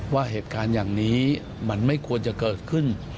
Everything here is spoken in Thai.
ว่าเหตุการณ์อย่างนี้มันไม่ควรจะเกิดขึ้น